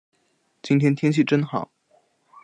今天天气真好。